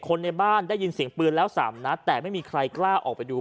ในบ้านได้ยินเสียงปืนแล้วสามนัดแต่ไม่มีใครกล้าออกไปดู